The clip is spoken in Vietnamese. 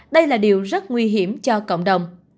đây là điều rất nguy hiểm cho cộng đồng